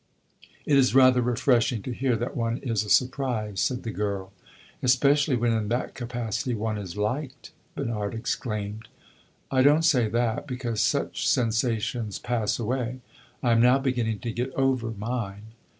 "It is rather refreshing to hear that one is a surprise," said the girl. "Especially when in that capacity one is liked!" Bernard exclaimed. "I don't say that because such sensations pass away. I am now beginning to get over mine."